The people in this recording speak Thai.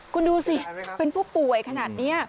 คุณดูสิเป็นผู้ป่วยขนาดนี้